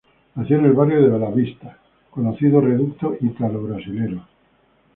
Nació en el barrio de Bela Vista, conocido reducto ítalo-brasilero.